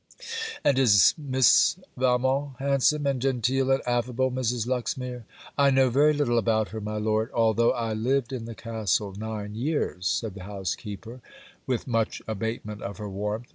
'And is Miss Valmont handsome, and genteel, and affable, Mrs. Luxmere?' 'I know very little about her, my Lord, although I lived in the castle nine years,' said the housekeeper, with much abatement of her warmth.